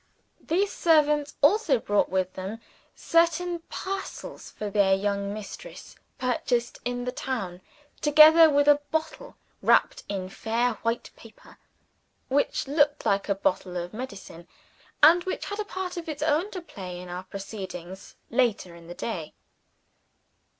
These servants also brought with them certain parcels for their young mistress, purchased in the town, together with a bottle, wrapped in fair white paper, which looked like a bottle of medicine and which had a part of its own to play in our proceedings, later in the day.